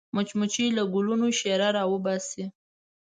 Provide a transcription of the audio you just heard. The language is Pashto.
مچمچۍ له ګلونو شیره راوباسي